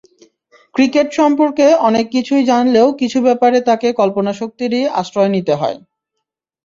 Cricket সম্পর্কে অনেক কিছুই জানলেও কিছু ব্যাপারে তাঁকে কল্পনা-শক্তিরই আশ্রয় নিতে হয়।